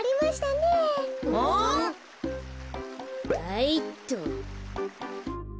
はいっと。